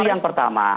itu yang pertama